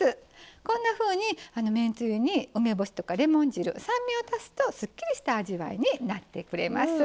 こんなふうに、めんつゆに梅干し、レモン汁酸味を足すとすっきりとした味わいになってくれる。